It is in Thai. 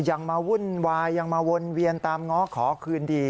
ยังมาวุ่นวายยังมาวนเวียนตามง้อขอคืนดี